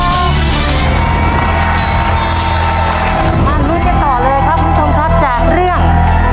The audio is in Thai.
มารู้จักต่อเลยครับคุณชมครับจากเรื่อง